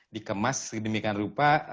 dikemas sedemikian rupa